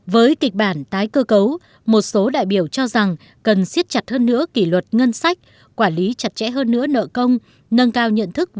với kịch bản tái cơ cấu một số đại biểu cho rằng cần xiết chặt hơn nữa kỷ luật ngân sách quản lý chặt chẽ hơn nữa nợ công